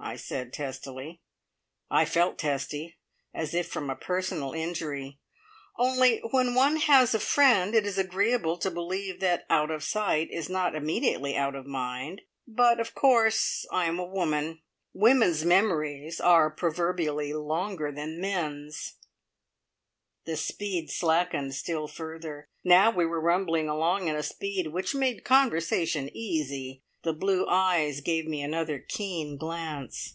I said testily. I felt testy, as if from a personal injury. "Only when one has a friend, it is agreeable to believe that out of sight is not immediately out of mind. But, of course, I am a woman. Women's memories are proverbially longer than men's." The speed slackened still further. Now we were rumbling along at a speed which made conversation easy. The blue eyes gave me another keen glance.